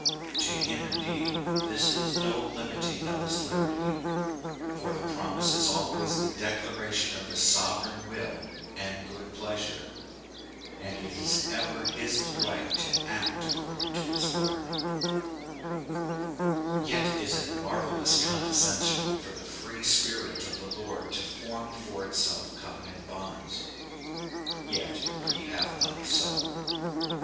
To him, indeed, this is no limiting of his liberty ; for the promise is always the declaration of his sovereign will and good pleasure, and it is ever his delight to act according to his word ; yet is it marvelous condescension for the free spirit of the Lord to form for itself covenant bonds. Yet he hath done so.